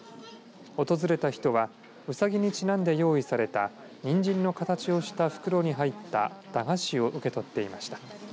訪れた人はうさぎにちなんで用意されたにんじんの形をした袋に入った駄菓子を受け取っていました。